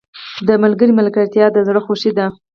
• د ملګري ملګرتیا د زړه خوښي ده.